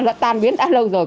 nó tan biến đã lâu rồi